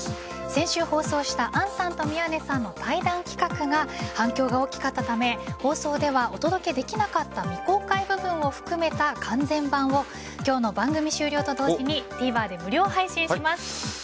先週放送した杏さんと宮根さんの対談企画が反響が大きかったため放送ではお届けできなかった未公開部分を含めた完全版を今日の番組終了と同時にＴＶｅｒで無料配信します。